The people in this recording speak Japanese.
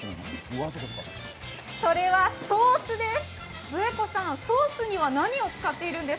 それはソースです。